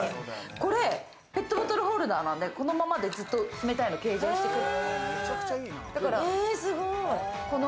これ、ペットボトルホルダーなんで、このままでずっと冷たいのを継続してくれる。